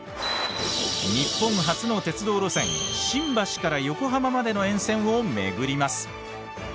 日本初の鉄道路線・新橋から横浜までの沿線を巡ります。